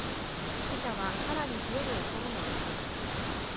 死者は更に増えるおそれもあります。